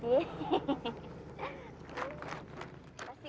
terima kasih ya